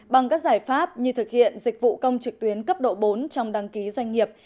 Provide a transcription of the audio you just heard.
bằng các giải pháp như thực hiện dịch vụ công trực tuyến cấp độ bốn trong đăng ký doanh nghiệp